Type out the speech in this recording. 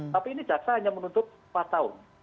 tapi ini jaksa hanya menuntut empat tahun